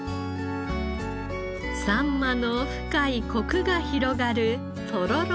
サンマの深いコクが広がるとろろご飯。